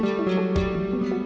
ia sudah diusir